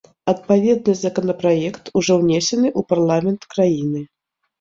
Адпаведны законапраект ўжо ўнесены у парламент краіны.